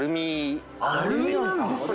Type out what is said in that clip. アルミなんですか。